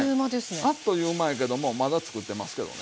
これねあっという間やけどもまだつくってますけどね。